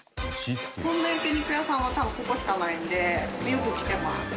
こんな焼肉屋さんは多分ここしかないのでよく来てます。